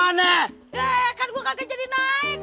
hei kan gua kaget jadi naik